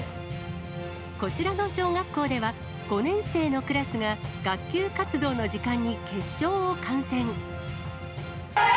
こちらの小学校では、５年生のクラスが学級活動の時間に決勝を観戦。